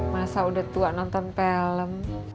masa udah tua nonton film